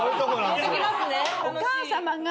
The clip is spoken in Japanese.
置いときますね。